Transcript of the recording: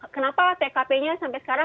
kenapa tkp nya sampai sekarang